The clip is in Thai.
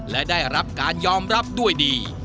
และได้รับการยอมรับด้วยดี